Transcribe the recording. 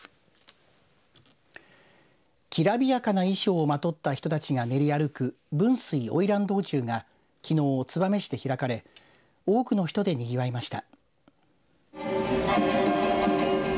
きらびやかな衣装をまとった人たちが練り歩く分水おいらん道中がきのう燕市で開かれ多くの人でにぎわいました。